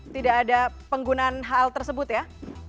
tidak ada penggunaan hal tersebut ya